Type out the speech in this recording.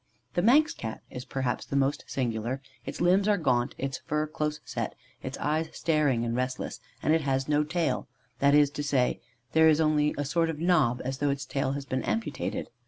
The Manx Cat is perhaps the most singular; its limbs are gaunt, its fur close set, its eyes staring and restless, and it has no tail; that is to say, there is only a sort of knob as though its tail had been amputated.